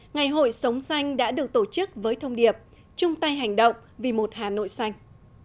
ngày hội sống xanh đã được tổ chức với thông điệp chung tay hành động vì một hà nội xanh